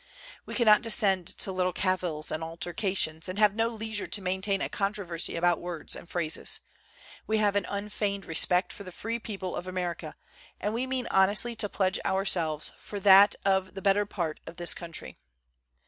We cannot descend to little cavils and alterca tions; and have no leisure to maintain a con troversy about words and phrases. We have an unfeigned respect for the free people of America; and we mean honestly to pledge our selves for that of the better part of this coun try."